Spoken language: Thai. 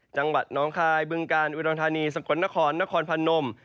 จังหวัดน้องคายบึงกาลอุดรธานีสกลนครนครพนม